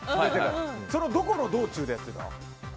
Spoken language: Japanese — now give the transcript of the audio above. そのどこの道中でやってた？